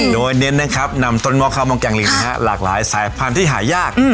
โดยเน้นนั่งครับนำต้นวอคอมของแกงลิงนะฮะหลากหลายสายพันธุ์ที่หายากอืม